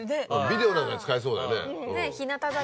ビデオなんかに使えそうだよね。